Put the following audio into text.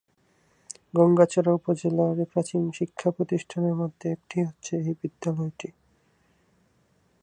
গংগাচড়া উপজেলার প্রাচীন শিক্ষা প্রতিষ্ঠানের মধ্যে একটি হচ্ছে এই বিদ্যালয়টি।